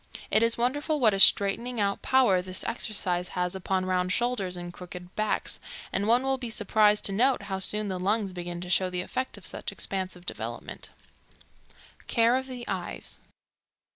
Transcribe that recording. It is wonderful what a straightening out power this exercise has upon round shoulders and crooked backs, and one will be surprised to note how soon the lungs begin to show the effect of such expansive development. Care of the Eyes.